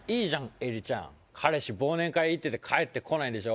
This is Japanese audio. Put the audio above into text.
えりちゃん彼氏忘年会行ってて帰ってこないんでしょ？